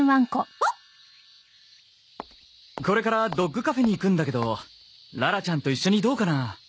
これからドッグカフェに行くんだけどララちゃんと一緒にどうかな？